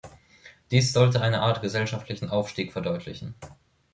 Dies sollte eine Art gesellschaftlichen Aufstieg verdeutlichen.